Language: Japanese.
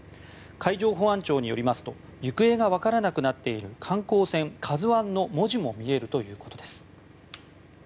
海上保安庁によりますと行方が分からなくなっている観光船「ＫＡＺＵ１」の文字も見えるということです。